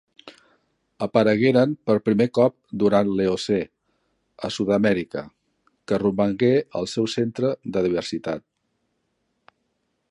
Aparegueren per primer cop durant l'Eocè a Sud-amèrica, que romangué el seu centre de diversitat.